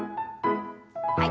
はい。